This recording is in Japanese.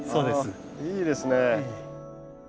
あいいですね。